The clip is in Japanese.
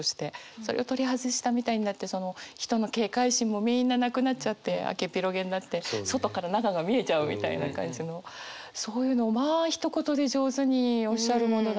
それを取り外したみたいになって人の警戒心もみんななくなっちゃって開けっぴろげになって外から中が見えちゃうみたいな感じのそういうのをまあひと言で上手におっしゃるものだな。